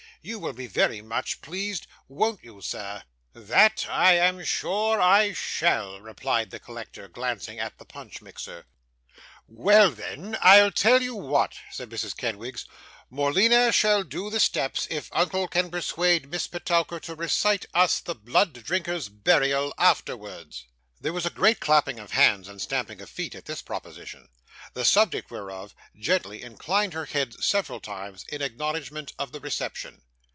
'You will be very much pleased, won't you, sir?' 'That I am sure I shall' replied the collector, glancing at the punch mixer. 'Well then, I'll tell you what,' said Mrs. Kenwigs, 'Morleena shall do the steps, if uncle can persuade Miss Petowker to recite us the Blood Drinker's Burial, afterwards.' There was a great clapping of hands and stamping of feet, at this proposition; the subject whereof, gently inclined her head several times, in acknowledgment of the reception.